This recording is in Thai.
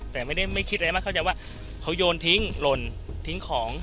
แต่ไม่ได้ไม่คิดอะไรมากเข้าใจว่าเขาโยนทิ้งหล่นทิ้งของ